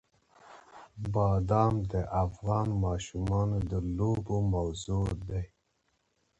بادام د افغان ماشومانو د لوبو موضوع ده.